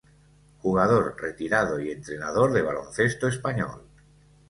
Jugador retirado y entrenador de baloncesto español.